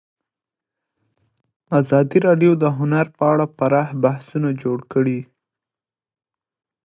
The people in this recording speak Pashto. ازادي راډیو د هنر په اړه پراخ بحثونه جوړ کړي.